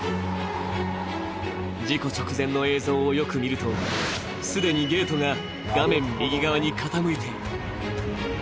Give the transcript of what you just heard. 事故直前の映像をよく見ると、既にゲートが画面右側に傾いている。